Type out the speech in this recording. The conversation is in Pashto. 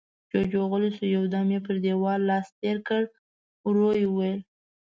جُوجُو غلی شو، يو دم يې پر دېوال لاس تېر کړ، ورو يې وويل: